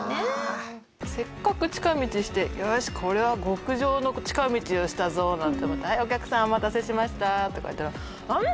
せっかく近道してよしこれは極上の近道をしたぞなんて思ってはいお客さんお待たせしましたとか言ったら。